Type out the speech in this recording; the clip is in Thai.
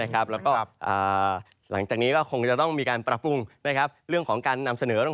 อ๋อหรือบัตรก็ก่อนยังถูกต้องด้วย